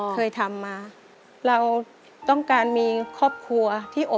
เคยทำมาเราต้องการมีครอบครัวที่อบ